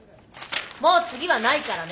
もう次はないからね！